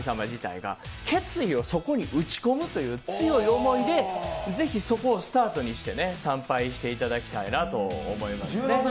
決意をそこに打ち込むという強い思いでぜひそこをスタートにして参拝していただきたいなと思いますね。